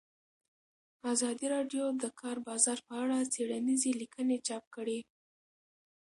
ازادي راډیو د د کار بازار په اړه څېړنیزې لیکنې چاپ کړي.